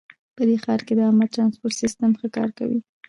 په دې ښار کې د عامه ترانسپورټ سیسټم ښه کار کوي